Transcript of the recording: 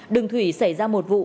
đường thủy xảy ra một vụ